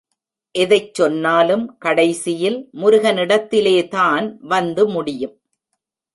எதைச் சொன்னாலும் கடைசியில் முருகனிடத்திலேதான் வந்து முடியும்.